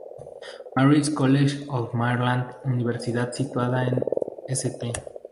Mary’s College of Maryland, universidad situada en St.